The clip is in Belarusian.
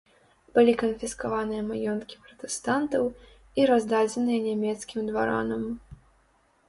Былі канфіскаваныя маёнткі пратэстантаў і раздадзеныя нямецкім дваранам.